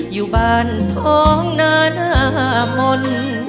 อยู่บ้านท้องนานามนต์